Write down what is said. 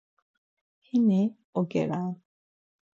Hini oge'ran.